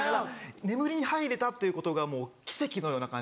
眠りに入れたっていうことがもう奇跡のような感じで。